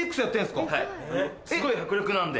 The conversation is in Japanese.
すごい迫力なんで。